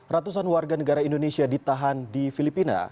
ratusan warga negara indonesia ditahan di filipina